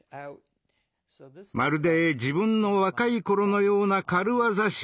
まるで自分の若い頃のような軽業師。